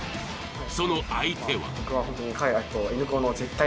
その相手は。